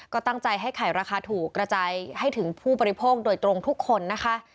ก็ตั้งใจให้ไข่ราคาถูกกระจายให้ถึงผู้บริโภคโดยตรงทุกคนนะคะ